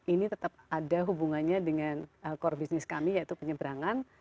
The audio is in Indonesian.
ini tetap ada hubungannya dengan core business kami yaitu penyeberangan